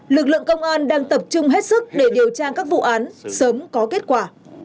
lực lượng công an đang tập trung hết sức để điều tra các vụ án sớm có kết quả